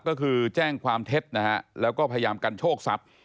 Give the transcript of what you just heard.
ก็คือแจ้งความเท็จนะฮะแล้วก็พยายามกันโชคทรัพย์